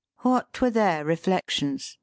What were their reflections ?